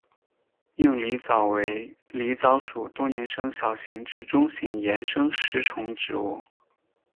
硬狸藻为狸藻属多年生小型至中型岩生食虫植物。